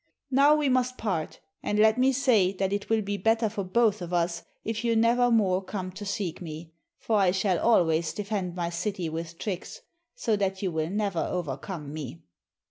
Now we must part, and let me say that it will be better for both of us if you never more come to seek me, for I shall always defend my city with tricks, so that you will never overcome me."